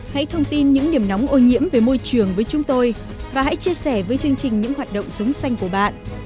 hãy thông tin những điểm nóng ô nhiễm về môi trường với chúng tôi và hãy chia sẻ với chương trình những hoạt động sống xanh của bạn